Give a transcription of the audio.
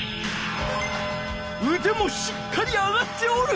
うでもしっかり上がっておる。